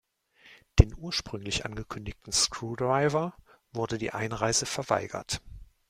Den ursprünglich angekündigten Skrewdriver wurde die Einreise verweigert.